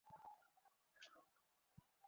সবকিছু পুড়ে ছাই হয়ে গেছে কিন্তু তাও দাঁড়িয়ে আছে।